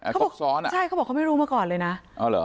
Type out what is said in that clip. ครบซ้อนอ่ะใช่เขาบอกเขาไม่รู้มาก่อนเลยนะอ๋อเหรอ